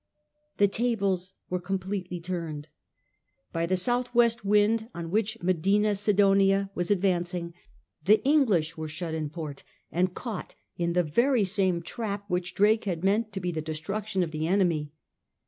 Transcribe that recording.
The tables were completely turned. By the south west wind on which Medina Sidonia was advancing, the English were shut in port and caught in the very same trap which Drake had meant to be the destruction of the enemy.